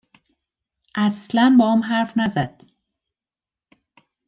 اصلا باهام حرف نزد